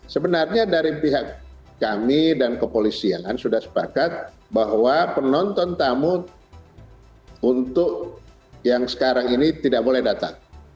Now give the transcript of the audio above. sebenarnya dari pihak kami dan kepolisian sudah sepakat bahwa penonton tamu untuk yang sekarang ini tidak boleh datang